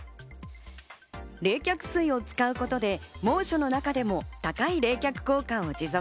冷却水を使うことで猛暑の中でも高い冷却効果を持続。